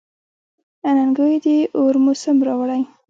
اننګو یې د اور موسم راوړی.